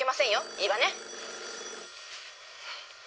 いいわね！